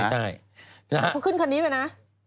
เขาขึ้นคันนี้ไหมนะ